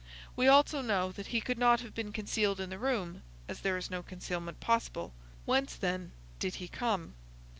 We also know that he could not have been concealed in the room, as there is no concealment possible. Whence, then, did he come?"